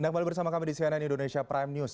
anda kembali bersama kami di cnn indonesia prime news